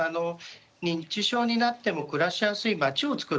認知症になっても暮らしやすい町をつくろう。